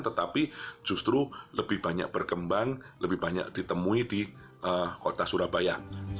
tetapi justru lebih banyak berkembang lebih banyak ditemui di kota surabaya